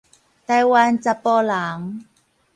台灣查埔人